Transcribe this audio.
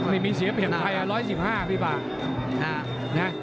ไม่มีเสียเปลี่ยนใครร้อยสิบห้าพี่ป่าว